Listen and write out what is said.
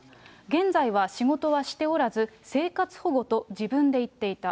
現在は仕事はしておらず、生活保護と自分で言っていた。